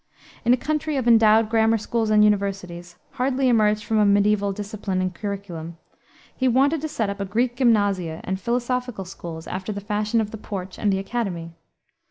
In a country of endowed grammar schools and universities hardly emerged from a mediaeval discipline and curriculum, he wanted to set up Greek gymnasia and philosophical schools, after the fashion of the Porch and the Academy.